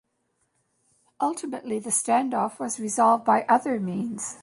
Ultimately, the standoff was resolved by other means.